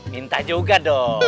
minta juga dong